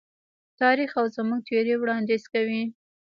تاریخ او زموږ تیوري وړاندیز کوي.